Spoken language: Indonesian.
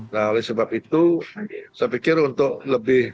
nah oleh sebab itu saya pikir untuk lebih